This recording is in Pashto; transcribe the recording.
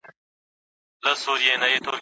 له مُلا چي څوک منکر دي په مکتب کي د شیطان دي